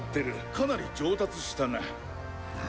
かなり上達したな。